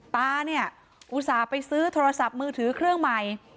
ตาเนี่ยอุตส่าห์ไปซื้อโทรศัพท์มือถือเครื่องใหม่